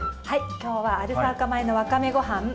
きょうはアルファ化米のわかめごはん。